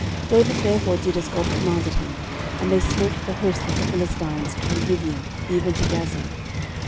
13:014:016 David therefore did as God commanded him: and they smote the host of the Philistines from Gibeon even to Gazer.